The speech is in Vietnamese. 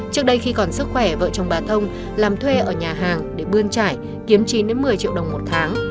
trước đây khi còn sức khỏe vợ chồng bà thông làm thuê ở nhà hàng để bươn trải kiếm chín một mươi triệu đồng một tháng